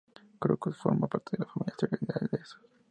Crocus forma parte de la familia asteroidal de Eos.